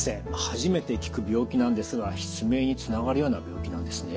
初めて聞く病気なんですが失明につながるような病気なんですね？